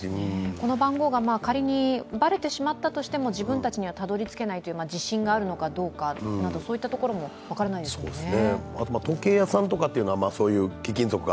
この番号が仮にバレてしまったとしても、自分たちにはたどり着けないという自信があるのかどうかそういったところも分からないですよね。